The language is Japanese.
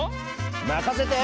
任せて。